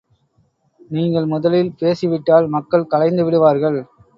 நீங்கள் முதலில் பேசிவிட்டால் மக்கள் கலைந்து விடுவார்கள்.